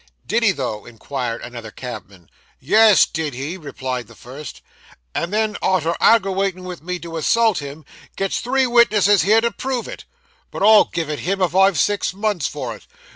'Did he though?' inquired another cabman. 'Yes, did he,' replied the first; 'and then arter aggerawatin' me to assault him, gets three witnesses here to prove it. But I'll give it him, if I've six months for it.